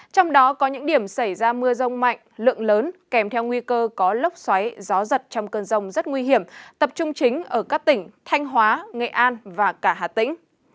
trong đó có những điểm xảy ra mưa rông mạnh lượng lớn kèm theo nguy cơ có lốc xoáy gió giật trong cơn rông rất nguy hiểm tập trung chính ở các tỉnh thanh hóa nghệ an và cả hà tĩnh